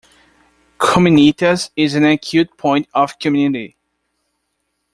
Communitas is an acute point of community.